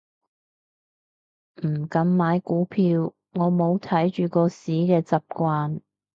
唔敢買股票，我冇睇住個市嘅習慣